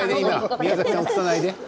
宮崎さん、映さないで。